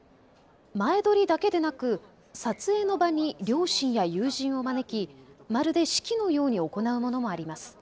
前撮りだけでなく撮影の場に両親や友人を招きまるで式のように行うものもあります。